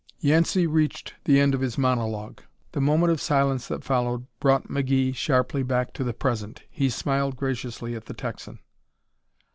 Yancey reached the end of his monologue. The moment of silence that followed brought McGee sharply back to the present. He smiled graciously at the Texan.